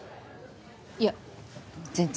いや全然。